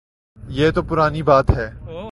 یہ تو پرانی بات ہے۔